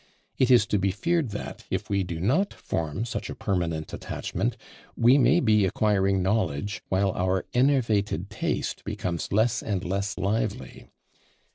It is to be feared that, if we do not form such a permanent attachment, we may be acquiring knowledge, while our enervated taste becomes less and less lively.